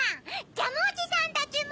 ジャムおじさんたちも！